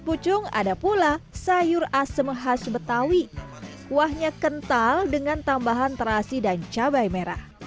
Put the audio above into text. pucung ada pula sayur asem khas betawi kuahnya kental dengan tambahan terasi dan cabai merah